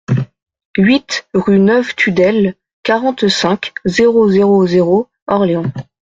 huit rue Neuve Tudelle, quarante-cinq, zéro zéro zéro, Orléans